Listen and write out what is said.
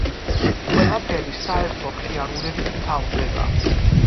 ყველაფერი საერთო მხიარულებით მთავრდება.